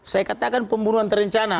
saya katakan pembunuhan terencana